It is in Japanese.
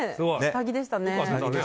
下着でしたね。